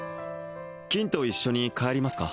キンと一緒に帰りますか？